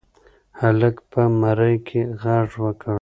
هلک په مرۍ کې غږ وکړ.